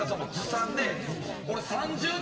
俺。